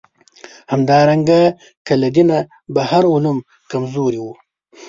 همدارنګه له دینه بهر علوم کمزوري وو.